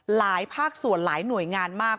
หลายภาคส่วนหลายหน่วยงานมาก